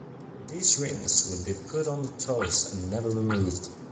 These rings would be put on the toes and never removed.